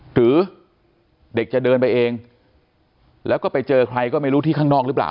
หรือเด็กจะเดินไปเองแล้วก็ไปเจอใครก็ไม่รู้ที่ข้างนอกหรือเปล่า